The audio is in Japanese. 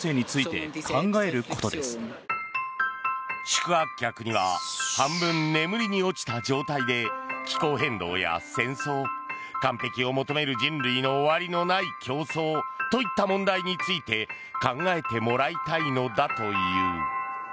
宿泊客には半分眠りに落ちた状態で気候変動や戦争完璧を求める人類の終わりのない競争といった問題について考えてもらいたいのだという。